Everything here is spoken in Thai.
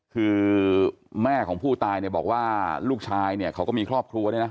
คือแม่ของผู้ตายเนี่ยบอกว่าลูกชายเนี่ยเขาก็มีครอบครัวด้วยนะ